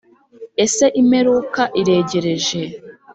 Ese imperuka iregereje